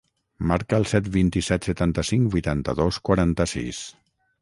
Marca el set, vint-i-set, setanta-cinc, vuitanta-dos, quaranta-sis.